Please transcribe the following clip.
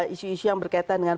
isu isu yang berkaitan dengan